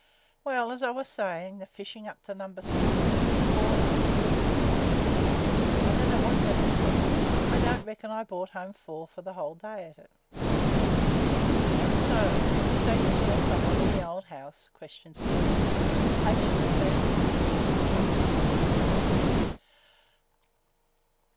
"Well, as I was sayin', the fishin' up to Number Six was pretty poor last week. I dunno what got into 'em. I don't reckon I brought home four after a whole day at it." "That so! You say you saw some one in the old house?" questioned Sydney, patiently herding him round to the subject again.